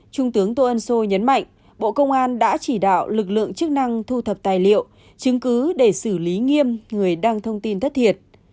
trung tướng tô ân sô nhấn mạnh bộ công an đã chỉ đạo lực lượng chức năng thu thập tài liệu chứng cứ để xử lý nghiêm người đăng thông tin thất thiệt